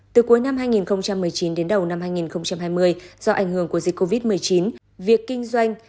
từ cuối năm hai nghìn một mươi chín đến đầu năm hai nghìn hai mươi do ảnh hưởng của dịch covid một mươi chín việc kinh doanh